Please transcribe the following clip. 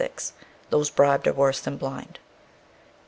Those bribed are worse than blind.